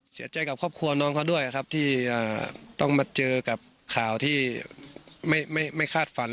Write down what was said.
เสียใจกับครอบครัวน้องเขาด้วยครับที่ต้องมาเจอกับข่าวที่ไม่คาดฝัน